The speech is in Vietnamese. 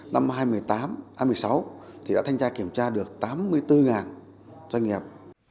năm hai nghìn một mươi sáu thì đã thanh tra kiểm tra được tám mươi bốn doanh nghiệp